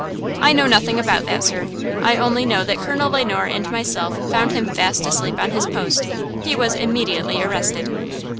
"I know nothing about that, sir. I only know that Colonel Le Noir and myself found him fast asleep on his post. He was immediately arrested."